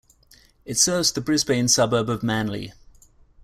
It serves the Brisbane suburb of Manly.